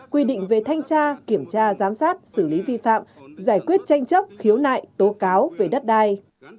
quy định về thanh tra kiểm tra giám sát xử lý vi phạm giải quyết tranh chấp khiếu nại tố cáo về đất đai